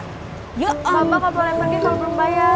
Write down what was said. mbak mbak mbak boleh pergi kalau belum bayar